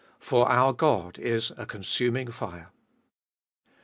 For our God is a consuming fire.